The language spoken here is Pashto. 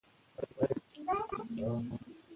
که سلام واچوو نو کبر نه پاتې کیږي.